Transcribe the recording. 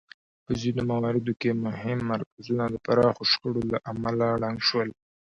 په ځینو مواردو کې مهم مرکزونه د پراخو شخړو له امله ړنګ شول